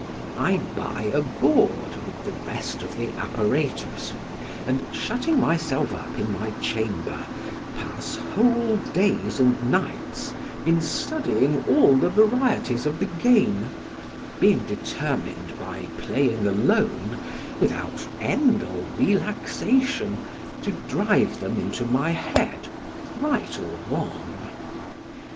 I buy a board, with the rest of the apparatus, and shutting myself up in my chamber, pass whole days and nights in studying all the varieties of the game, being determined by playing alone, without end or relaxation, to drive them into my head, right or wrong.